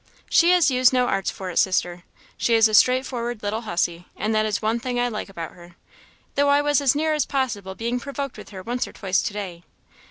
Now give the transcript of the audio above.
"She has used no arts for it, sister; she is a straightforward little hussy, and that is one thing I like about her; though I was as near as possible being provoked with her once or twice to day.